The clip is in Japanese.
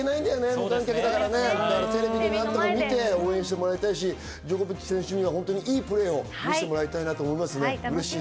無観客だからテレビで見て応援してもらいたいし、ジョコビッチ選手には良いプレーを見せてもらいたいなと思います。